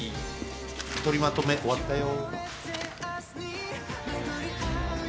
取りまとめ終わったよ。